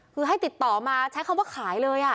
คือให้ติดต่อมาใช้คำว่าขายเลย